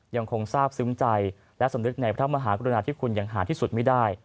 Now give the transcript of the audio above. ยังคงทราบซึ้งใจและสำนึกในพระมหากรุณาธิคุณอย่างหาที่สุดไม่ได้